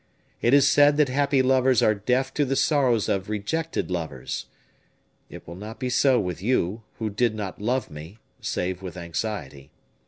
It is said that happy lovers are deaf to the sorrows of rejected lovers. It will not be so with you, who did not love me, save with anxiety.